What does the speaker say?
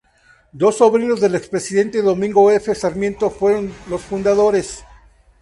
Dos sobrinos del expresidente Domingo F. Sarmiento, fueron los fundadores.